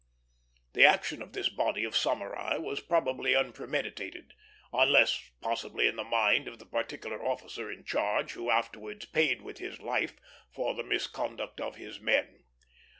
The action of this body of samurai was probably unpremeditated, unless possibly in the mind of the particular officer in charge, who afterwards paid with his life for the misconduct of his men.